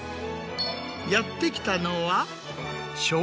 やって来たのは。